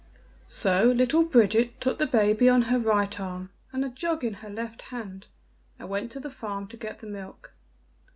So little Bridget took the baby on her right arm and a jug in her left hand, and went to the farm to get the milk.